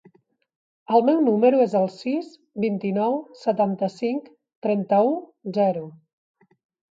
El meu número es el sis, vint-i-nou, setanta-cinc, trenta-u, zero.